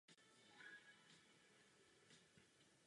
Jeho práce byly přeloženy do několika jazyků.